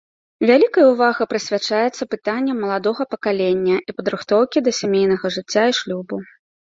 Вялікая ўвага прысвячаецца пытанням маладога пакалення і падрыхтоўкі да сямейнага жыцця і шлюбу.